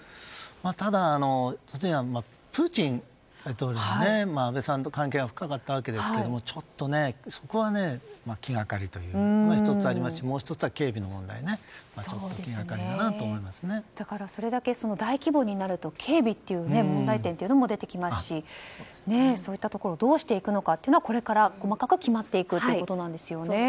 ただ、プーチン大統領も安倍さんと関係が深かったわけですがそこは気がかりとして１つありますしもう１つは警備の問題がそれだけ大規模になると警備という問題点というのも出てきますしそういったところをどうしていくのかこれから細かく決まっていくということですね。